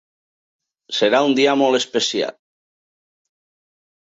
Serà un dia molt especial.